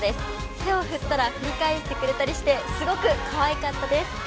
手を振ったら振り返してくれたりして、すごくかわいかったです。